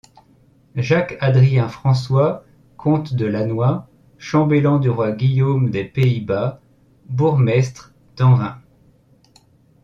Jacques-Adrien-François, comte de Lannoy, chambellan du roi Guillaume des Pays-Bas, bourgmestre d'Anvaing.